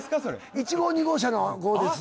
「１号２号車の号です」